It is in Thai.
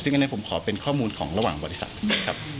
ซึ่งอันนั้นผมขอเป็นข้อมูลของระหว่างบริษัทครับ